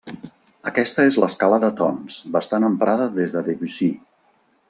Aquesta és l'escala de tons, bastant emprada des de Debussy.